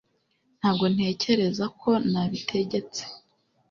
ntabwo ntekereza ko nabitegetse